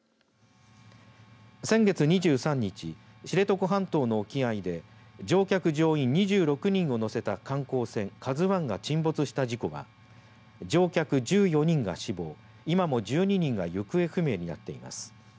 先月２３日、知床半島の沖合で乗客・乗員２６人を乗せた観光船、ＫＡＺＵＩが沈没した事故は乗客１４人が死亡、今も１２人が行方不明になっています。